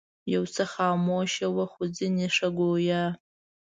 یو څه خموش ول خو ځینې ښه ګویا.